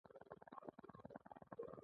هغه څه چې یو څوک کار ته هڅوي.